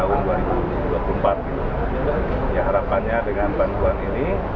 sekarang di tahun dua ribu dua puluh empat harapannya dengan bantuan ini